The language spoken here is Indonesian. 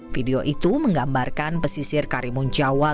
video itu menggambarkan pesisir karimun jawa